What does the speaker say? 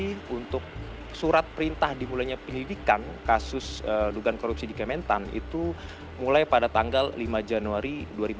untuk surat perintah dimulainya penyelidikan kasus dugaan korupsi di kementan itu mulai pada tanggal lima januari dua ribu dua puluh